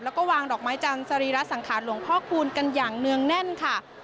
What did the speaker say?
แล้วก็วางดอกไม้จันทร์สรีระสังขารหลวงพ่อคูณกันอย่างเนื่องแน่นค่ะ